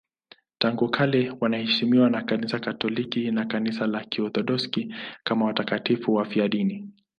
Tangu kale wanaheshimiwa na Kanisa Katoliki na Kanisa la Kiorthodoksi kama watakatifu wafiadini.